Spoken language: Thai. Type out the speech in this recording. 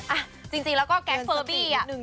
อ่ะจริงแล้วก็แก๊งเฟอร์บี้อ่ะ